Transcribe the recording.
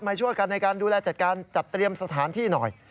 มาช่วยกันในการดูแลจัดการจัดเตรียมสถานที่หน่อย